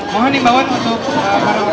mohon dibawa untuk para orang tua